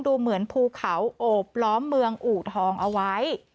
ดูเหมือนภูเขาโอบล้อมเมืองอูทองเอาไว้